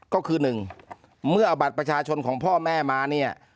ก็คือหนึ่งเมื่อเอาบัตรประชาชนของพ่อแม่มาเนี่ย